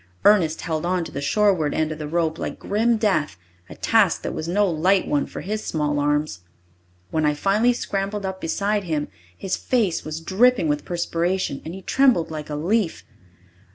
Ernest held on to the shoreward end of the rope like grim death, a task that was no light one for his small arms. When I finally scrambled up beside him, his face was dripping with perspiration and he trembled like a leaf.